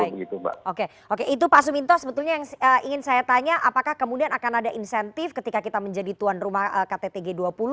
oke oke itu pak suminto sebetulnya yang ingin saya tanya apakah kemudian akan ada insentif ketika kita menjadi tuan rumah ktt g dua puluh